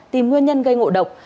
tìm nguyên nhân gây ngộ độc